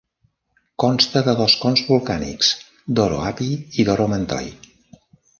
Consta de dos cons volcànics, Doro Api i Doro Mantoi.